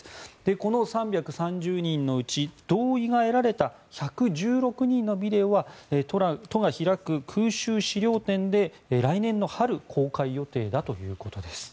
この３３０人のうち同意が得られた１１６人のビデオは都が開く空襲資料展で来年の春公開予定だということです。